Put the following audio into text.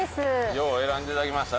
よう選んで頂きました。